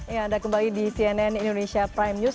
ya anda kembali di cnn indonesia prime news